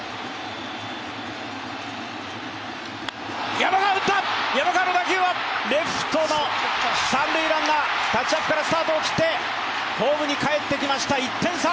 山川打った、山川の打球はレフトの三塁ランナータッチアップからスタートを切ってホームに帰ってきました。